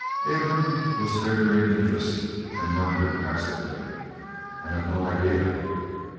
Abram was figuring interest and murmured absently: "I have no idea."